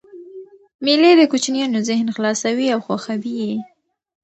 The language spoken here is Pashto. مېلې د کوچنيانو ذهن خلاصوي او خوښوي یې.